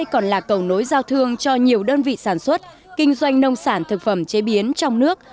còn là cầu nối giao thương cho nhiều đơn vị sản xuất kinh doanh nông sản thực phẩm chế biến trong nước